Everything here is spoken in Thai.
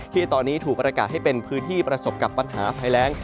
ที่ตอนนี้ถูกประกาศให้เป็นพื้นที่ประสบกับปัญหาภัยแรง